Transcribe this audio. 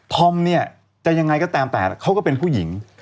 อมเนี่ยจะยังไงก็ตามแต่เขาก็เป็นผู้หญิง